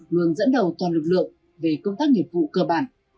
luôn dẫn đầu toàn lực lượng về công tác nghiệp vụ cơ bản